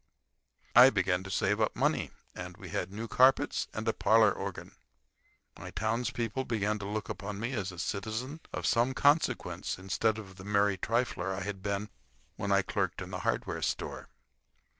I began to save up money, and we had new carpets, and a parlor organ. My townspeople began to look upon me as a citizen of some consequence instead of the merry trifler I had been when I clerked in the hardware store.